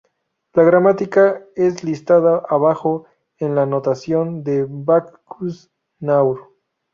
La gramática es listada abajo en la notación de Backus-Naur.